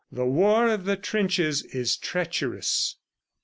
The war of the trenches is treacherous."